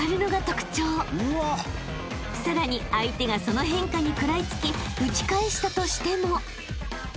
［さらに相手がその変化に食らいつき打ち返したとしても］